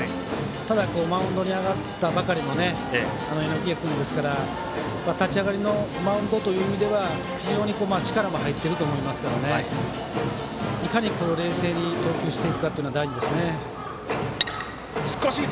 ただマウンドに上がったばかりの榎谷君ですから立ち上がりのマウンドという意味では力も入っていると思いますからいかに冷静に投球していくかが大事ですね。